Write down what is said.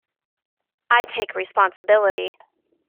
I take responsibility.